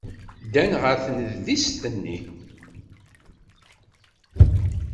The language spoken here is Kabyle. Ddan ɣer tnedlist-nni.